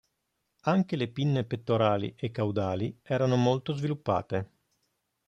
Anche le pinne pettorali e caudali erano molto sviluppate.